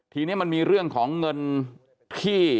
ทีนี้มันมีเรื่องของเงินที่